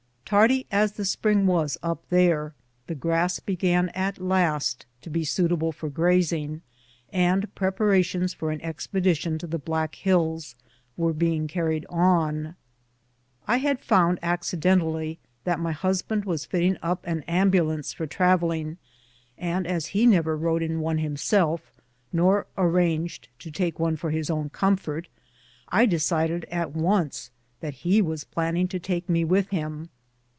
Tardy as the spring was up there, the grass began at last to be suitable for grazing, and preparations for an expedition to the Black Hills were being carried on. I had found accidentally that my husband was fitting up an ambulance for travelling, and as he never rode in one himself, nor arranged to take one for his own com fort, I decided at once that he was planning to take me with him.